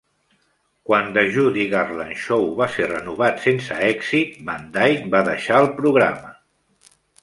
Quan "The Judy Garland Show" va ser renovat sense èxit, Van Dyke va deixar el programa.